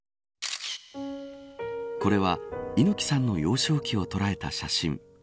これは猪木さんの幼少期を捉えた写真。